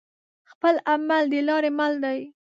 خپل عمل دلاری مل دی